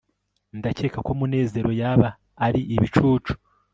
ndakeka ko munezero yaba ari ibicucu